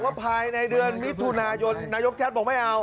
ไม่ได้หรอก